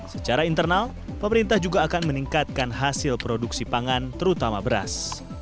secara internal pemerintah juga akan meningkatkan hasil produksi pangan terutama beras